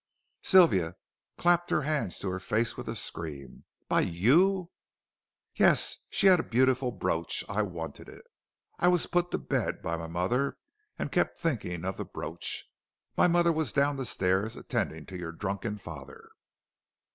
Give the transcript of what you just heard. Sylvia clapped her hands to her face with a scream. "By you?" "Yes. She had a beautiful brooch. I wanted it. I was put to bed by my mother, and kept thinking of the brooch. My mother was down the stairs attending to your drunken father.